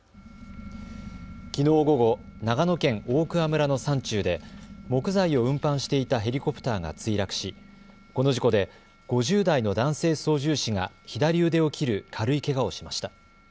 きのう午後、長野県大桑村の山中で木材を運搬していたヘリコプターが墜落しこの事故で５０代の男性操縦士が左腕を切る軽いけがをしました。